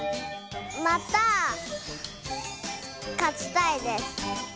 またかちたいです。